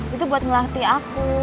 itu buat ngelatih aku